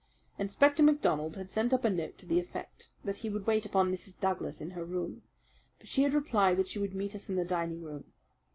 Inspector MacDonald had sent up a note to the effect that he would wait upon Mrs. Douglas in her room; but she had replied that she would meet us in the dining room.